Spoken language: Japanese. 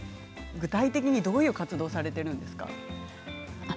具体的にどういう活動をされているんですか。